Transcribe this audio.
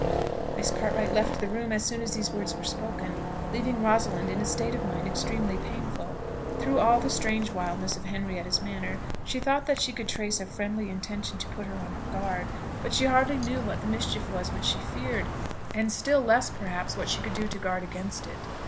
Miss Cartwright left the room as soon as these words were spoken, leaving Rosalind in a state of mind extremely painful. Through all the strange wildness of Henrietta's manner she thought that she could trace a friendly intention to put her on her guard; but she hardly knew what the mischief was which she feared, and less still perhaps what she could do to guard against it.